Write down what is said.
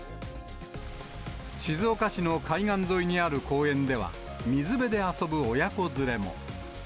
静岡市の海岸沿いにある公園では、水辺で遊ぶ親子連れも。